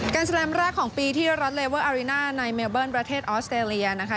แลมแรกของปีที่รัฐเลเวอร์อาริน่าในเมลเบิ้ลประเทศออสเตรเลียนะคะ